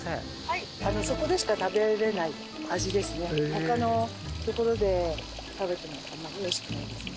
他の所で食べてもあんまりおいしくないですね。